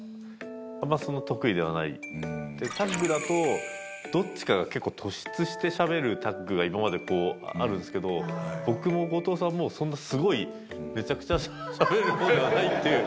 タッグだとどっちかが結構突出してしゃべるタッグが今までこうあるんですけど僕も後藤さんもそんなすごいめちゃくちゃしゃべる方ではないっていう。